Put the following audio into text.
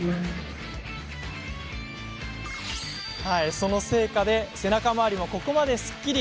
その成果で背中周りもここまですっきり。